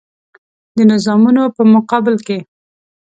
د نظامونو په مقابل کې.